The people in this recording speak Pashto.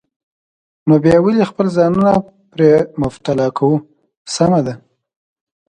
نو بیا ولې خپل ځانونه پرې مبتلا کوو؟ سمه ده.